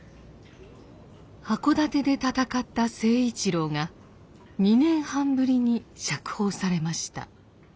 箱館で戦った成一郎が２年半ぶりに釈放されました。